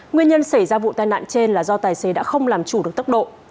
nguyên nhân xảy ra vụ tai nạn trên là do tài xế đã không làm chủ được tốc độ